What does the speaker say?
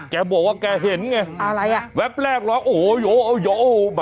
แกบอกว่าแกเห็นไงแวบแรกโอ้โหโอ้โหโอ้โหโอ้โหโอ้โหโอ้โหโอ้โหโอ้โห